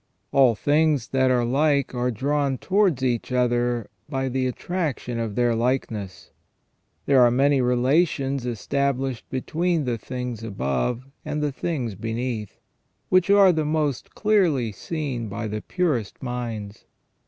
All things that are like are drawn towards each other by the attraction of their like ness. There are many relations established between the things above and the things beneath, which are the most clearly seen by the purest minds.